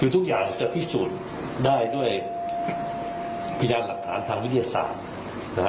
ทุกอย่างจะพิสูจน์ได้ด้วยพยานหลักฐานธรรมวิทยาศาสตร์